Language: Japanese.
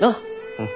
うん。